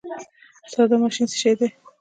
ساده ماشین څه شی دی؟